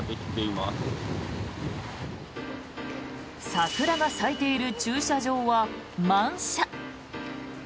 桜が咲いている駐車場は満車。